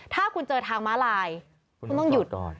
ถ้าคุณเจอทางม้าลายคุณต้องหยุดก่อน